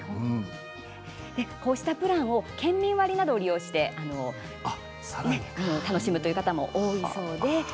こうしたプランを県民割などを利用して楽しむという方も多いそうです。